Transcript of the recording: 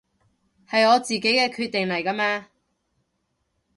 係我自己嘅決定嚟㗎嘛